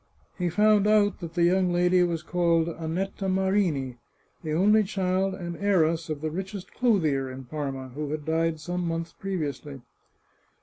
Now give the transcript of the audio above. He found out that the young lady was called Annetta Marini, the only child and heiress of the richest clothier in Parma, who had died some months pre viously.